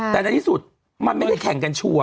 แต่ในที่สุดมันไม่ได้แข่งกันชัวร์